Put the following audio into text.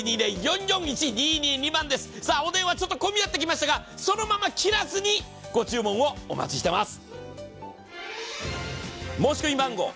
お電話、混み合ってきましたがそのまま切らずにご注文をお待ちしています。